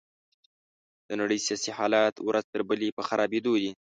د نړۍ سياسي حالات ورځ تر بلې په خرابيدو دي.